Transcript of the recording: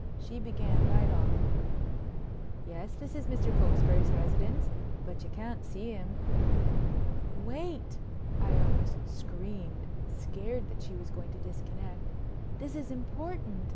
She began right off: "Yes, this is Mr. Cokesbury's residence, but you can't see him." "Wait," I almost screamed, scared that she was going to disconnect, "this is important.